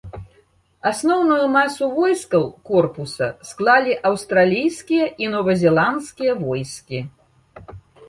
Асноўную масу войскаў корпуса склалі аўстралійскія і новазеландскія войскі.